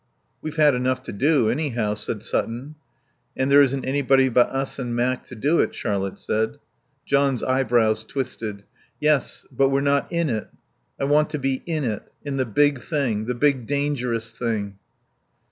"We've had enough to do, anyhow," said Sutton. "And there isn't anybody but us and Mac to do it," Charlotte said. John's eyebrows twisted. "Yes; but we're not in it. I want to be in it. In the big thing; the big dangerous thing."